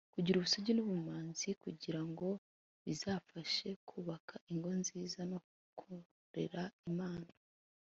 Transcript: kugira ubusugi n’ubumanzi kugira ngo bizabafashe kubaka ingo nziza no gukorera Imana